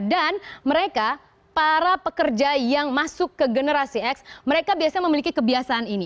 dan mereka para pekerja yang masuk ke generasi x mereka biasanya memiliki kebiasaan ini